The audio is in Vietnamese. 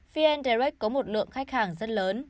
vn direct có một lượng khách hàng rất lớn